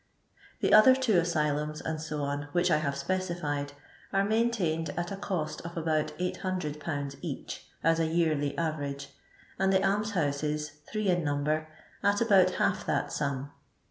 The other two asylums, &&, which I have specified, are maintained at a cost of about 800/. each, as a yearly average, and the Almshouses, three in number, at about half that sum.